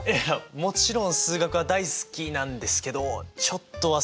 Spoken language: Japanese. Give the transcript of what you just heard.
もちろん数学は大好きなんですけどちょっと忘れちゃったこともあって。